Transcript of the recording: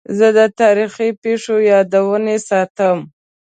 زه د تاریخي پیښو یادونې ساتم.